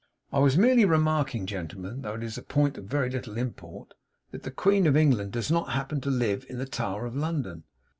I was merely remarking gentlemen though it's a point of very little import that the Queen of England does not happen to live in the Tower of London.